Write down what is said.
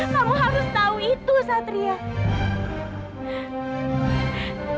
kamu harus tahu itu satria